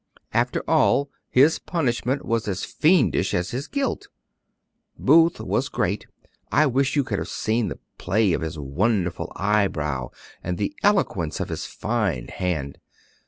After all, his punishment was as fiendish as his guilt. Booth was great. I wish you could have seen the play of his wonderful eyebrow and the eloquence of his fine hand.